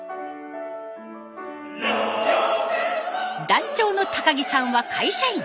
団長の木さんは会社員。